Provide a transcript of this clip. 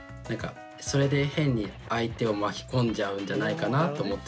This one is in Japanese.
それで変に相手を巻き込んじゃうんじゃないかなと思っちゃったりするし。